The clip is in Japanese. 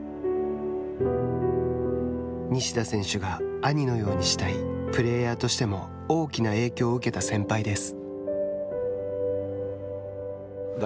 西田選手が兄のように慕いプレーヤーとしても大きな影響を受けた先輩です。